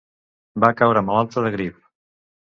Va caure malalta de grip.